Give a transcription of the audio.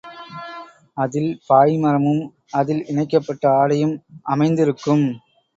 அதில் பாய்மரமும், அதில் இணைக்கப்பட்ட ஆடையும் அமைந்திருக்கும்.